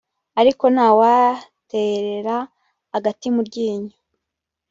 ariko nta waterera agati mu ryinyo